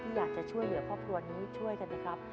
อยากจะช่วยเหลือครอบครัวนี้ช่วยกันสิครับ